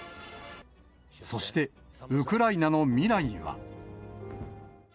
そして、ウクライナの未来は。